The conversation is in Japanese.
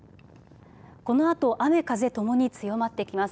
このあと雨風ともに強まってきます。